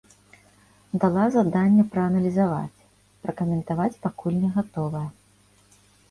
Дала заданне прааналізаваць, пракаментаваць пакуль не гатовая.